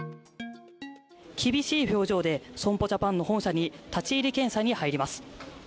厳しい表情で損保ジャパンの本社に立ち入り検査に入ります。